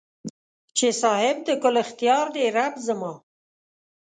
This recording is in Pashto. چې صاحب د کل اختیار دې رب زما